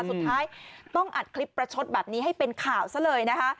สุดท้ายต้องอัดคลิปประชดแบบนี้ให้เป็นข่าวซะเลยนะคะ